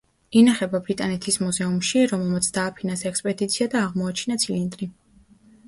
ინახება ბრიტანეთის მუზეუმში, რომელმაც დააფინანსა ექსპედიცია და აღმოაჩინა ცილინდრი.